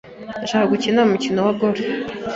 Ndashaka gukina umukino wa golf.